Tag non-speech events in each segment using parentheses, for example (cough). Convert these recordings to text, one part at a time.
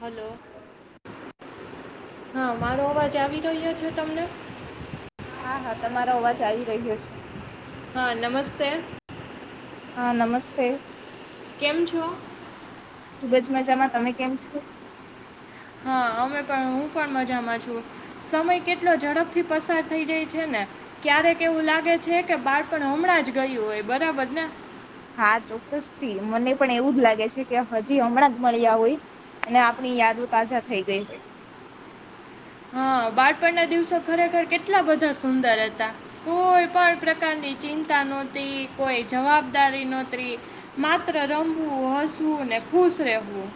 Hello (inaudible) હા. મારો અવાજ આવી રહ્યો છે તમને? હા હા તમારો અવાજ આવી રહ્યો છ. હા નમસ્તે. હા નમસ્તે. કેમ છો? ખૂબજ મજામાં તમે કેમ છો? હા અમે પણ હું પણ મજામાં છું સમય કેટલો ઝડપથી પસાર થઈ જાય છે ને ક્યારેક એવું લાગે છે કે બાળપણ હમણાં જ ગયું હોય બરાબર ને. હા ચોક્કસથી મને પણ એવું જ લાગે છે કે હજી હમણાં જ મળ્યા હોય અને આપણી યાદો તાજા થઈ ગઈ હોય. હા બાળપણના દિવસો ખરેખર કેટલા બધા સુંદર હતા કોઈ પણ પ્રકારની ચિંતા નોતી કોઈ જવાબદારી નોત્રી માત્ર રમવું હસવું ને ખુશ રહેવું.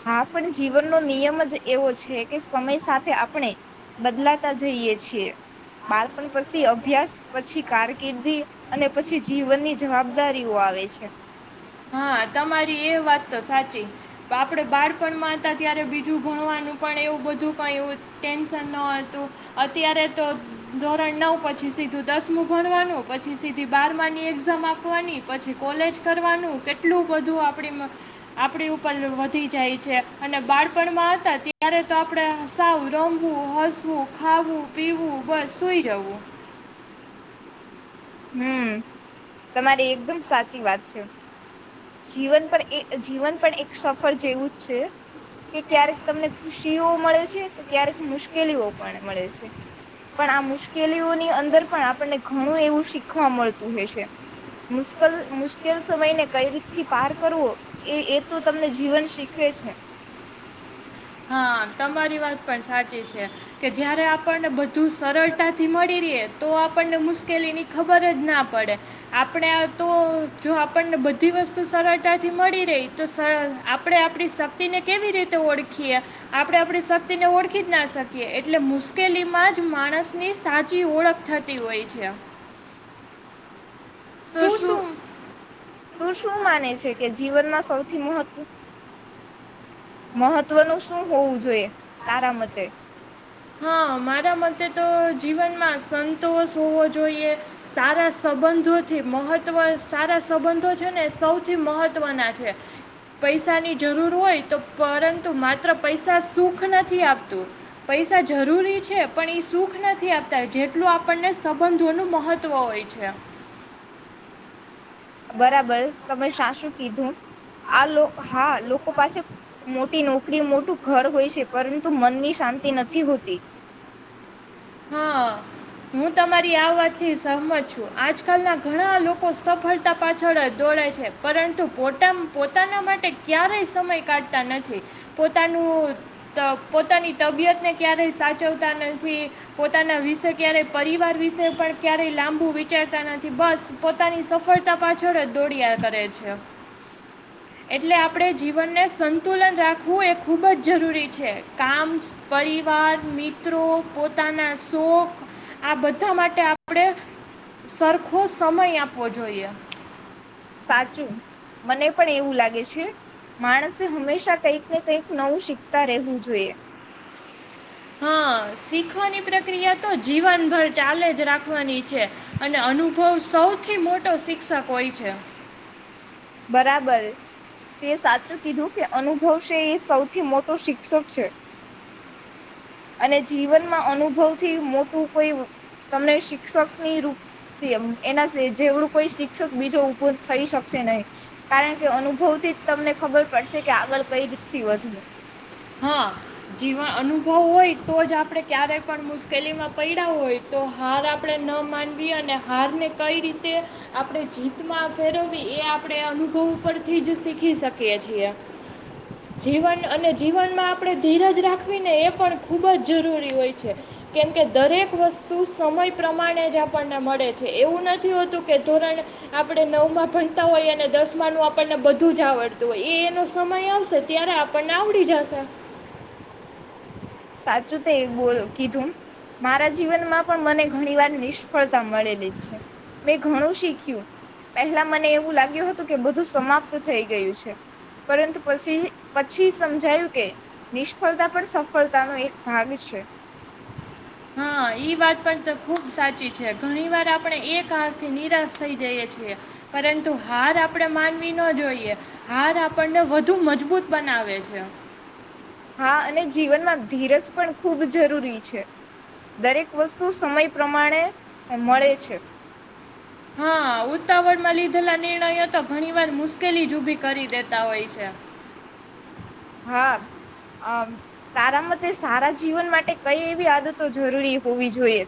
હા પણ જીવનનો નિયમ જ એવો છે કે સમય સાથે આપણે બદલાતા જઈએ છીએ બાળપણ પસી અભ્યાસ પછી કારકિર્દી અને પછી જીવનની જવાબદારીઓ આવે છે. હા તમારી એ વાત તો સાચી તો આપડે બાળપણમાં હતા ત્યારે બીજું ભણવાનું પણ એવું બધું કંઈ ટેન્શન ન હતું અત્યારે તો ધોરણ નવ પછી સીધું દસમું ભણવાનું પછી સીધી બારમાની એક્ઝામ આપવાની પછી કોલેજ કરવાનું કેટ ટલું બધું આપડી આપડી ઉપર વધી જાય છે અને બાળપણમાં હતા ત્યારે તો આપડે સાવ રમવું હસ હું ખાવું પીવું બસ સોઈ જવું. હમ્મ તમારી એકદમ સાચી વાત છે. જીવન પણ એ જીવન પણ એક સફર જેવું જ છે કે ક્યારેક તમને ખુશીઓ મળે છે તો ક્યારેક મુશ્કેલીઓ પણ મળે છે પણ આ મુશ્કેલીઓની અંદર પણ આપણને ઘણું એવું શીખવા મળતું હો છે મુશ્કલ મુશ્કેલ સમયને કઈ રી થી પાર કરવો એ એ તો તમને જીવન શીખવે છે. આ તમારી વાત પણ સાચી છે કે જયારે આપણને બધું સરળ તાથી મળી રિયે તો આપણને મુશ્કેલીની ખબર જ ના પડે આપડે આ તો જો આપણને બધી વસ્તુ સરળતાથી મળી રહી તો સ આપડે આપડી શક્તિને કેવી રીતે ઓળખીએ? આપડે આપડી શક્તિને ઓળખી જ ના શકીએ એટલે મુશ્કેલીમાં જ માણસની સાચી ઓળખ થતી હોય છે. તું શું તું શું માને છે કે જીવનમાં સૌથી મહત્વ મહત્વનું શું હોવું જોઈએ તારા મતે? હા મારા મતે તો જીવનમાં સંતોષ હોવો જોઈએ સારા સંબંધોથી મહત્વ સારા સંબંધો છે ને સૌથી મહત્વના છે પૈસાની જરૂર હોય તો પરંતુ માત્ર પૈસા સુખ નથી આપતું પૈસા જરૂરી છે પણ એ સુખ નથી આપતા જેટલું આપણને સંબંધોનું મહત્વ હોય છે. બરાબર તમે શા શું કીધું આલો હા લોકો પાસે મો ટી નોકરી મોટું ઘર હોય છે પરંતુ મનની શાંતિ નથી હોતી. હા હું તમારી આ વાતથી સહમત છું આજકાલના ઘણા લોકો સફળતા પાછળ જ દોડે છે પરંતુ પોતા પોતાના માટે ક્યારેય સમય કાઢતા નથી પોતાનું ત પોતાની તબિયતને ક્યારેય સાચવતા નથી. પોતાના વિશે ક્યારેય પરિવાર વિશે પણ ક્યારેય લાંબુ વિચારતા નથી બસ પોતાની સફળતા પાછળ જ દોડિયા કરે છે એટલે આપડે જીવનને સંતુલન રાખવું એ ખૂબ જ જરૂરી છે કામ, પરિવાર, મિત્રો, પો તાના શોખ આ બધા માટે આપડે સરખો સમય આપવો જોઈએ. સાચું મને પણ એવું લાગે છે માણસે હંમેશા કંઈક ને કંઈક નવું શીખતા રહેવું જોઈએ. હા શીખવાની પ્રક્રિયા તો જીવનભર ચાલે જ રાખવાની છે અને અનુભવ સૌથી મોટો શિક્ષક હોય છે. બરાબર તે સાચું કીધું કે અનુભવશે એ સૌથી મોટો શિક્ષક છે. અને જીવનમાં અનુભવ થી મોટું કોઈ તમને શી ક્ષકની રૂપ તેમ એના સે જેવડું કોઈ શિક્ષક બીજો ઉભું થઈ શકશે નઈ. કારણ કે અનુભવથી જ તમને ખબર પડશે કે આગળ કઈ રીતથી વધવું. હા જીવન અનુભવ હોય તો જ આપડે ક્યારે પણ મુશ્કેલીમાં પયડા હોય તો હાર આપડે ન માનવી અને હારને કઈ રીતે આપડે જીતમાં ફેરવવી એ આપડે અનુભવ પરથી જ શીખી શકીએ છીએ જીવન અને- જીવનમાં આપડે ધીરજ રાખવીને એ પણ ખૂબ જ જરૂરી હોય છે કેમકે દરેક વસ્તુ સમય પ્રમાણે જ આપણને મળે છે એવું નથી હોતું કે ધોરણ આપડે નવમાં ભણતા હોઈએ અને દસમાનું આપણને બધું જ આવડતું હોય એ એનો સમય આવશે ત્યારે આપણને આવ ડી જશે. સાચું તેય બોલ કીધું મારા જીવનમાં પણ મને ઘણી વાર નિષ્ફળતા મળેલી છે મેં ઘણું શીખ્યું. પહેલા મને એવું લાગ્યું હતું કે બધું સમાપ ત થઈ ગયું છે પરંતુ પસી પછી સમજાયું કે નિષ્ફળતા પણ સ ફળતાનો એક ભાગ છે. હા ઈ વાત પણ તો ખુબ સાચી છે ઘણી વાર આપણે એક હાર થી નિરાશ થઈ જઈએ છીએ પરંતુ હાર આપડે માનવી ન જોઈએ હાર આપણને વધુ મજબૂત બનાવે છે. હા અને જીવનમાં ધીરજ પણ ખૂબ જરૂરી છે. દરેક વસ્તુ સમય પ્રમાણે મળે છે હા આવુંતાવડમાં લી ધેલા નિર્ણયો તો ઘણીવાર મુશ્કેલી જ ઉભી કરી દેતા હોય છે. હા અ તારા મતે સારા જીવન માટે કઈ એવી આદતો જરૂરી હોય? હોવી જોઈએ.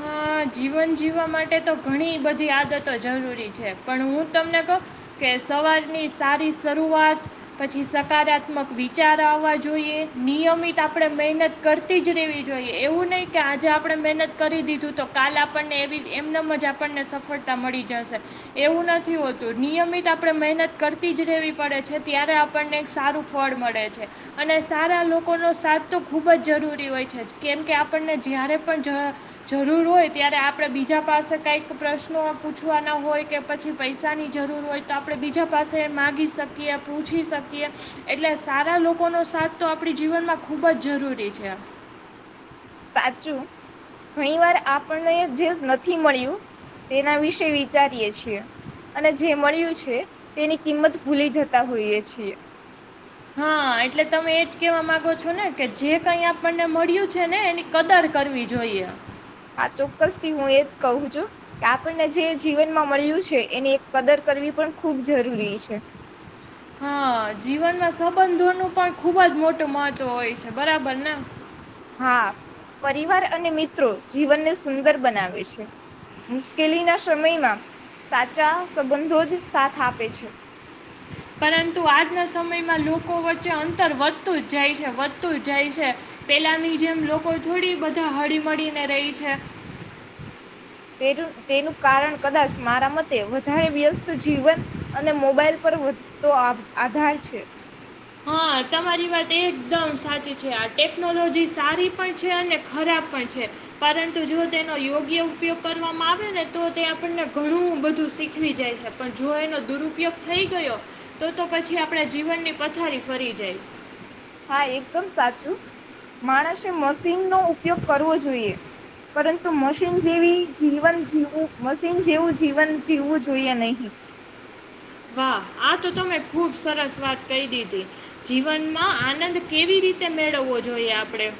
હા જીવન જીવવા માટે તો ઘણી બધી આદતો જરૂરી છે, પણ હું તમને કહું કે સવારની સારી શરૂઆત પછી સકારાત્મક વિચાર આવવા જોઈએ નિયમિત આપણે મહેનત કરતી જ રહેવી જોઈએ એવું નહી કે આજે આપણે મહેનત કરી દીધું તો કાલે આપણને એવી એમનેમ જ આપણને સફળતા મળી જશે એવું નથી હોતું નિયમિત આપણે મહેનત કરતી જ રહેવી પડે છે ત્યારે આપણને સારું ફળ મળે છે અને સારા લોકોનો સાથ તો ખૂબ જ જરૂરી હોય છે કેમ કે આપણને જ્યારે પણ જ જરૂર હોય ત્યારે આપણે બીજા પાસે કઈક પ્રશ્નો પૂછવાના હોય કે પછી પૈસાની જરૂર હોય તો આપણે બીજા પાસે માગી શકીએ પૂછી શકીએ એટલે સારા લોકોનો સાથ તો આપણી જીવનમાં ખૂબ જ જરૂરી છે. સાચું ઘણી વાર આપને જે નથી મળ્યું તેના વિશે વિચારીએ છીએ અને જે મળ્યું છે તેની કિંમત ભૂલી જતા હોઈએ છીએ. હા એટલે તમે એજ કેવા માંગો છો ને કે જે કઈ આપણને મળ્યું છે ને એની કદર કરવી જોઈએ. હા ચોક્કસ થી હું એજ કહું છું કે આપ પણને જે જીવનમાં મળ્યું છે એની કદર કરવી પણ ખૂબ જરૂરી છે. હા જીવનમાં સંબંધોનું પણ ખુબ જ મોટું મહત્વ હોય છે બરાબર ને? હા પરિવાર અને મિત્રો જીવનને સુંદર બનાવે છે મુશ્કેલીના સમયમાં સાચા સંબંધો જ સાથ આપે છે. પરંતુ આજના સમયમાં લોકો વચ્ચે અંતર વધતું જ જાય છે વધતું જ જાય છે પહેલાની જેમ લોકો થોડી બધા હળીમળીને રહી છે. તેર તેનું કારણ કદાચ મારા મત તે વધારે વ્યસ્ત જીવન અને મોબાઈલ પર વધતો આ આધાર છે. હા તમારી વાત એકદમ સાચી છે આ ટેકનોલોજી સારી પણ છે અને ખરાબ પણ છે પરંતુ જો તેનો યોગ્ય ઉપયોગ કરવામાં આવે્યો ને તો તે આપણને ઘણું બધું શીખવી જાય છે પણ જો એનો દુરુપયોગ થઈ ગયો તો તો પછી આપણા જીવનની પથારી ફરીજય. હા એકદમ સાચું માણસે મશીનનો ઉપયોગ કરવો જોઈએ પરંતુ મશીન જેવી જીવન જીવવું મશીન જેવું જીવન જીવવું જોઈએ નહી. ખુબ સરસ વાત કહી દીધી. જીવનમાં આનંદ કેવી રીતે મેળવવો જોઈએ આપડે?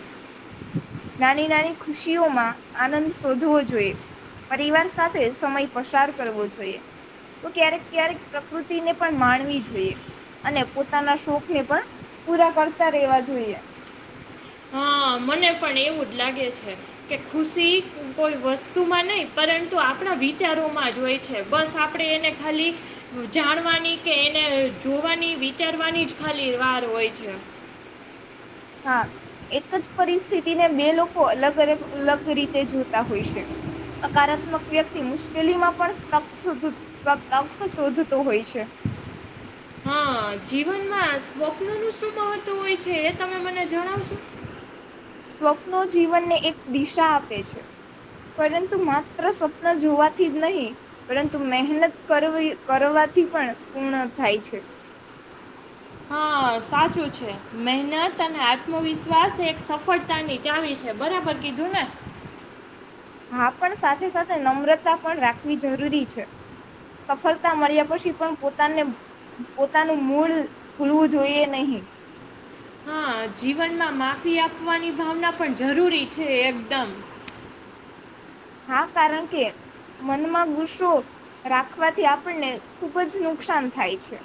નાની નાની ખુશીઓમાં આનંદ શોધવો જોઈએ. પરિવાર સાથે સમય પસાર કરવો જોઈએ. તો ક્યારેક ક્યારેક પ્રકૃતિને પણ માણવી જોઈએ અને પોતાના શોખને પણ પૂરા કરતા રહેવા જોઈએ. હ મને પણ એવું જ લાગે છે કે ખુશી કોઈ વસ્તુમાં નહી પરંતુ આપણા વિચારોમાં જ હોય છે બસ આપણે એને ખાલી જાણવાની કે એને જોવાની વિચારવાની જ ખાલી વાર હોય છે. હા એક જ પરિસ્થિતિને બે લોકો અલગ-અલગ લગ રીતે જોતા હોય છે. સકારાત્મક વ્યક્તિ મુશ્કેલી માં પણ તક સુધું સતપ શોધતો હોય છે. હા જીવનમાં સ્વપ્ન નું શું મહત્વ હોય છે એ તમે મને જણાવશો? સ્વપ્નો જીવનને એક દિશા આપે છે પરંતુ માત્ર સ્વપ્ન જોવાથી જ નહીં પરંતુ મહેનત કરવી કરવાથી પણ પૂર્ણ થાય છે. હા સાચું છે મહેનત અને આત્મવિશ્વાસ એક સફળતાની ચાવી છે બરાબર કીધું ને? હા પણ સાથે સાથે નમ્રતા પણ રાખવી જરૂરી છે સફળતા મળ્યા પછી પણ પોતાને પોતાનું મૂળ ભૂલવું જોઈએ નહી. હા જીવનમાં માફી આપવાની ભાવના પણ જરૂરી છે એકદમ. હા કારણ કે મનમાં ગુસ્સો રાખવાથી આપણને ખુબ જ નુકસાન થાય છે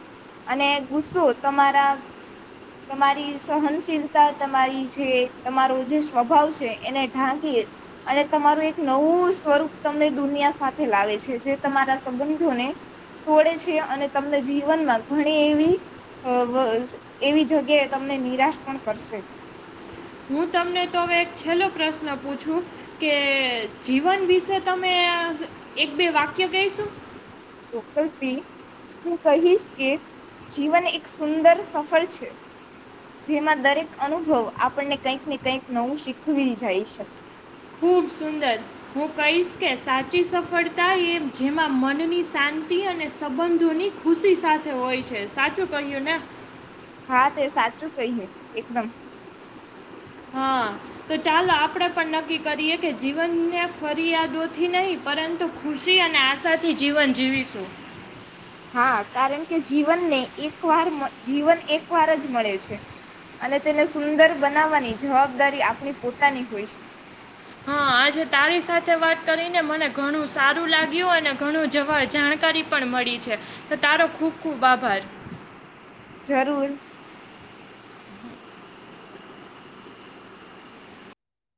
અને ગુસ્સો તમારા તમારી સહનશીલતા તમારી જે તમારો જે સ્વભાવ છે એને ઢાંકી અને તમારું એક નવું સ્વરૂપ તમને દુનિયા સાથે લાવે છે જે તમારા સંબંધોને તોડે છે અને તમને જીવનમાં ઘણી એવી અ વ એવી જગ્યાએ તમને નિરાશ પણ કરશે. હું તમને તો હવે એક છેલ્લો પ્રશ્ન પૂછું કે જીવન વિશે તમ એક બે વાક્ય કઈશું? ચોક્કસથી હું કહીશ કે જીવન એક સુંદર સફર છે. જેમાં દરેક અનુભવ આપણને કંઈક ને કંઈક નવું શીખવી જાય શકે. ખૂબ સુંદર. હું કહીશ કે સાચી સફળતા એ જેમાં મનની શાંતિ અને સંબંધોની ખુશી સાથે હોય છે. સાચું કહ્યું ને? હા તે સાચું કહ્યું. એકદમ. હા તો ચાલો આપડે પણ નક્કી કરીએ કે જીવનને ફરિયાદોથી નહીં પરંતુ ખુશી અને આશાથી જીવન જીવીશું. હા કારણ કે જીવનને એક વાર, જીવન એક વાર જ મળે છે. અને તેને સુંદર બનાવવાની જવાબદારી આપણી પોતાની હોય છે. હા આજે તારી સાથે વાત કરીને મને ઘણું સારું લાગ્યું અને ઘણું જવા જાણકારી પણ મળી છે. તો તારો ખુબ ખુબ આભાર. જરૂર.